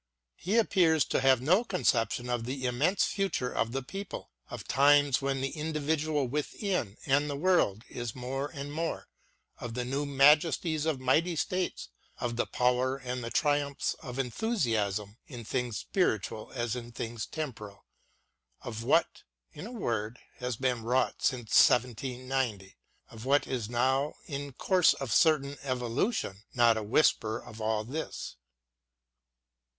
He appears to have no conception of the immense future of the people, of times when the individual within and the world is more and more, of the new majesties of mighty states, of the power and the triumphs of enthusiasm in things spiritual as in things temporal — of what, in a word, has been wrought since 1790, of what is now in course of certain evolution, not a whisper of all this.